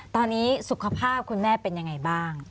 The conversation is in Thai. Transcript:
ตอนนี้สุขภาพคุณแม่เป็นยังไงบ้าง